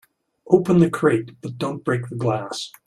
Open the crate but don't break the glass.